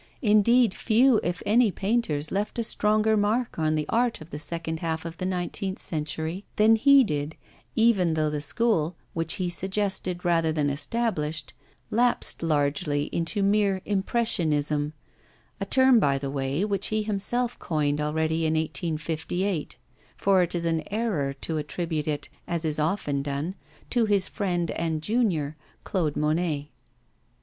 Indeed, few if any painters left a stronger mark on the art of the second half of the nineteenth century than he did, even though the school, which he suggested rather than established, lapsed largely into mere impressionism a term, by the way, which he himself coined already in 1858; for it is an error to attribute it as is often done to his friend and junior, Claude Monet.